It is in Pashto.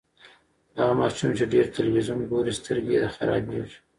هغه ماشوم چې ډېر تلویزیون ګوري، سترګې یې خرابیږي.